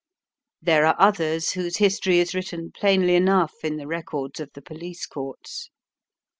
There are others whose history is written plainly enough in the records of the police courts.